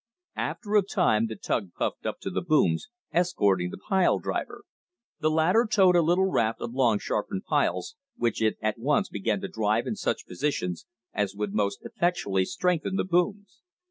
After a time the tug puffed up to the booms, escorting the pile driver. The latter towed a little raft of long sharpened piles, which it at once began to drive in such positions as would most effectually strengthen the booms.